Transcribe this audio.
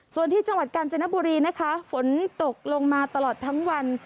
ส่วนที่จังหวัดกาญจนบุรีนะคะฝนตกลงมาตลอดทั้งวัน